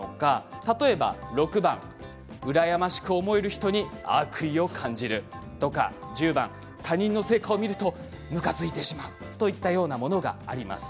例えば、６番羨ましく思える人に悪意を感じるとか、１０番他人の成果を見るとむかついてしまうといったようなものがあります。